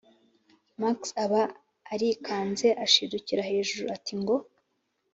max aba arikanze ashidukira hejuru ati: ngo!’